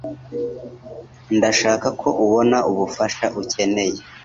Ndashaka ko ubona ubufasha ukeneye.